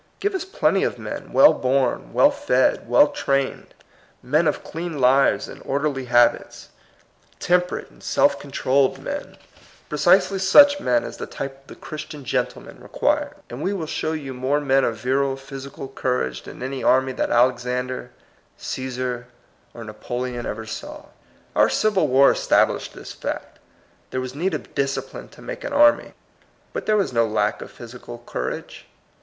Give us plenty of men, well born, well fed, well trained, men of clean lives and orderly habits, temperate and self controlled men, precisely such 40 THE COMING PEOPLE, men, as the type of the Christian gentle man reqaires, and we will show you more men of virile, physical courage than any army that Alexander, Cffisar, or Napoleon ever saw. Our Civil War established this fact : There was need of discipline to make an army. But there was no lack of physi cal courage.